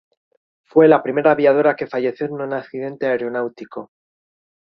Fue la primera aviadora que falleció en un accidente aeronáutico.